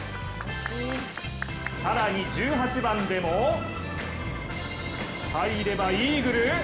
更に１８番でも、入ればイーグル。